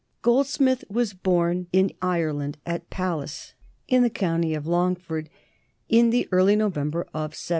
Goldsmith was born in Ireland, at Pallas, in the county of Longford, in the early November of 1728.